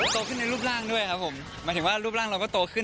โตขึ้นในรูปร่างด้วยครับผมหมายถึงว่ารูปร่างเราก็โตขึ้น